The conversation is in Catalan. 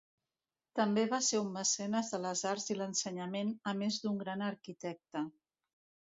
També va ser un mecenes de les arts i l'ensenyament, a més d'un gran arquitecte.